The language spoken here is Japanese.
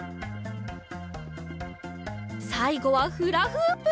さいごはフラフープ。